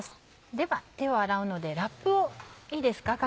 では手を洗うのでラップをいいですか？